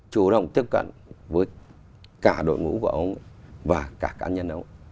chủ động tiếp cận với cả đội ngũ của ông và cả cá nhân ông